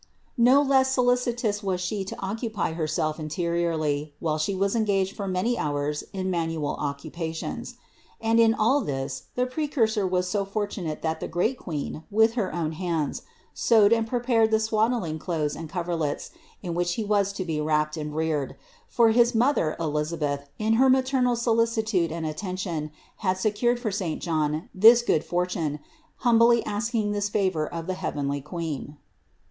233. Not less solicitous was She to occupy Herself in THE INCARNATION 189 teriorly, while She was engaged for many hours in man ual occupations. And in all this the Precursor was so fortunate that the great Queen, with her own hands, sewed and prepared the swaddling clothes and coverlets in which he was to be wrapped and reared; for his mother Elisabeth, in her maternal solicitude and atten tion, had secured for saint John this good fortune, hum bly asking this favor of the heavenly Queen.